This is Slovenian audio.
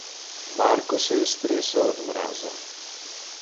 Marko se je stresel od mraza.